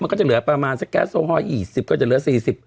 มันก็จะเหลือประมาณสักแก๊สโอฮอล๒๐ก็จะเหลือ๔๐